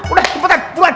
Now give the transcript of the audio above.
udah cepetan duluan